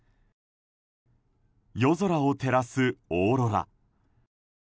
夜空を照らすオーロラ。